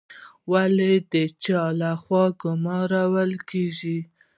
والي د چا لخوا ګمارل کیږي؟